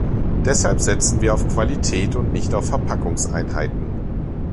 Deshalb setzen wir auf Qualität und nicht auf Verpackungseinheiten.